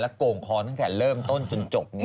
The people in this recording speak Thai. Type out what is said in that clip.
พร้อมกันแล้วโก่งคลอร์ตั้งแต่เริ่มต้นจนจบ